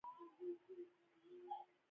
تپل شوي لغتونه د ژبې روان بهیر ګډوډوي.